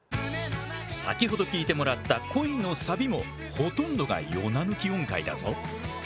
先ほど聴いてもらった「恋」のサビもほとんどがヨナ抜き音階だぞ。